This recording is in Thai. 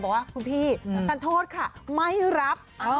บอกว่าคุณพี่ท่านโทษค่ะไม่รับ